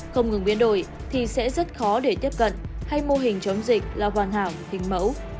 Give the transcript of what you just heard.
không ngừng biến đổi thì sẽ rất khó để tiếp cận hay mô hình chống dịch là hoàn hảo hình mẫu